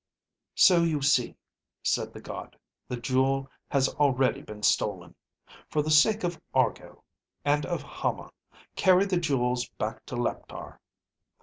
"So you see," said the god, "the jewel has already been stolen. For the sake of Argo, and of Hama, carry the jewels back to Leptar.